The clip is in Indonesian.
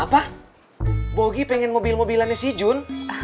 apa bogi pengen mobil mobilannya si jun